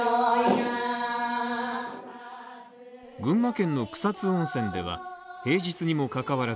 群馬県の草津温泉では、平日にも関わら